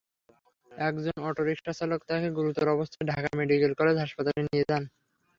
একজন অটোরিকশাচালক তাঁকে গুরুতর অবস্থায় ঢাকা মেডিকেল কলেজ হাসপাতালে নিয়ে যান।